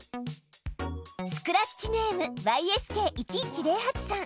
スクラッチネームｙｓｋ１１０８さん。